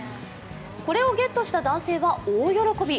これをゲットした男性は大喜び。